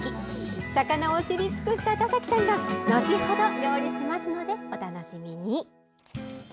魚を知り尽くした田崎さんが後程、料理しますのでお楽しみに。